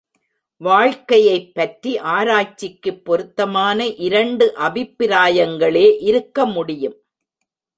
வாழ்க்கையைப் பற்றி ஆராய்ச்சிக்குப் பொருத்தமான இரண்டு அபிப்பிராயங்களே இருக்க முடியும்.